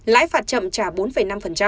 lãi phạt chậm trả bốn năm